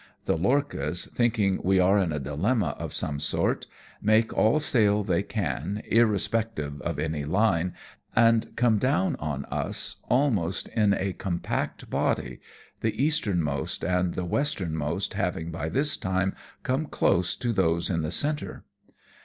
The lorchas thinking we are in a dilemma of some sort, make all sail they can, irrespective of any line, and come down on us almost in a compact body, the easternmost and the westernmost having by this time come close to those in the centre.